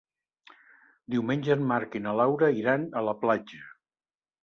Diumenge en Marc i na Laura iran a la platja.